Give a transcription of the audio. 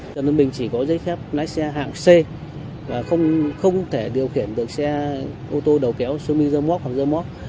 trần bình chỉ có giấy phép lái xe hạng c và không thể điều khiển được xe ô tô đầu kéo xương mi dơ móc hoặc dơ móc